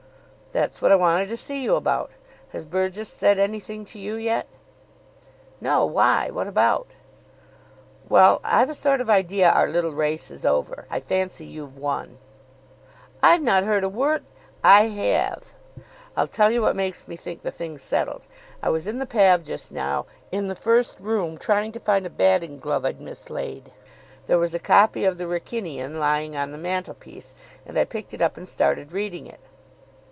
"That's what I wanted to see you about. Has Burgess said anything to you yet?" "No. Why? What about?" "Well, I've a sort of idea our little race is over. I fancy you've won." "I've not heard a word " "I have. I'll tell you what makes me think the thing's settled. I was in the pav. just now, in the First room, trying to find a batting glove I'd mislaid. There was a copy of the Wrykynian lying on the mantelpiece, and I picked it up and started reading it.